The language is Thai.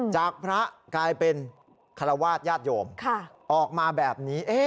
จากพระกลายเป็นคารวาสญาติโยมออกมาแบบนี้